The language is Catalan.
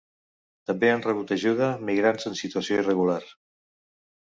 També han rebut ajuda migrants en situació irregular.